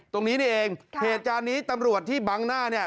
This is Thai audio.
ตรงนี้นี่เองเหตุการณ์นี้ตำรวจที่บังหน้าเนี่ย